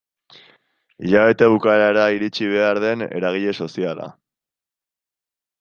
Hilabete bukaerara iritsi behar den eragile soziala.